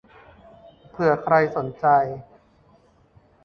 เผื่อใครสนใจ